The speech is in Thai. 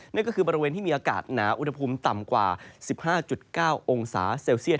นั่นก็คือบริเวณที่มีอากาศหนาอุณหภูมิต่ำกว่า๑๕๙องศาเซลเซียต